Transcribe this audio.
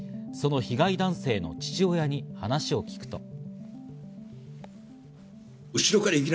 その被害男性の父親に話を聞くと。